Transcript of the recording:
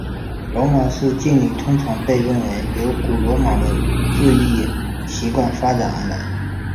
罗马式敬礼通常被认为是由古罗马的致意习惯发展而来。